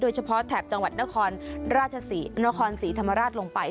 แถบจังหวัดนครราชศรีนครศรีธรรมราชลงไป